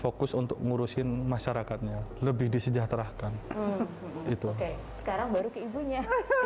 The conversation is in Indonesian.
fokus untuk ngurusin masyarakatnya lebih disejahterakan itu sekarang baru ke ibunya